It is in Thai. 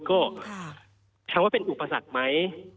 ก็ถามว่าเป็นอุปสรรคไหม